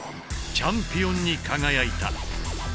チャンピオンに輝いた。